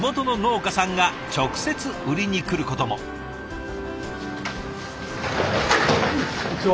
こんにちは。